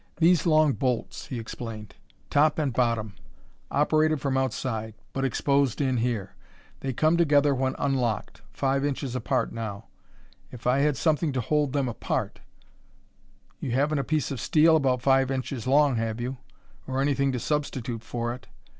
"These long bolts," he explained: "top and bottom; operated from outside, but exposed in here. They come together when unlocked; five inches apart now. If I had something to hold them apart "You haven't a piece of steel about five inches long, have you? or anything to substitute for it?